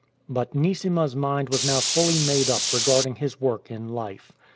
But Neesima's mind was now fully made up regarding his work in life.